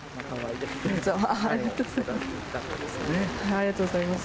ありがとうございます。